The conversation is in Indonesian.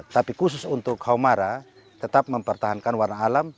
tapi khusus untuk kaumara tetap mempertahankan warna alam